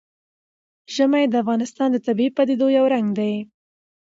ژمی د افغانستان د طبیعي پدیدو یو رنګ دی.